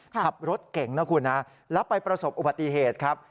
ขับรถเก่งนะคุณนะแล้วไปประสบอุบัติเหตุครับ